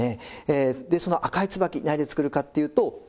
でその赤い椿何で作るかっていうと。